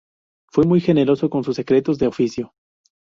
Fue muy generoso con sus secretos de oficio".